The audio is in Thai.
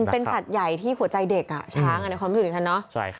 เป็นสัตว์ใหญ่ที่หัวใจเด็กช้างในความผิวหนึ่งครับเนาะ